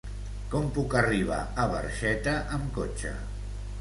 Com puc arribar a Barxeta amb cotxe?